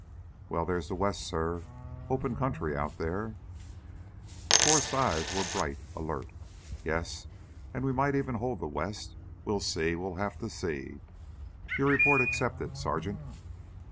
"Well, there's the West, suh. Open country out there " Forrest's eyes were bright, alert. "Yes, and we might even hold the West. We'll see we'll have to see. Your report accepted, Sergeant."